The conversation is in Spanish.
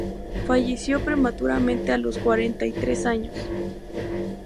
Falleció prematuramente a los cuarenta y tres años.